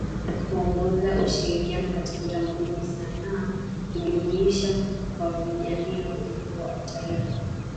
Kuongeza ushirikiano katika utamaduni sanaa ujumuishaji wa kijamii na urithi wa kitaifa